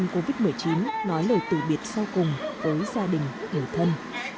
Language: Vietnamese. những bệnh nhân covid một mươi chín nói lời từ biệt sau cùng với gia đình người thân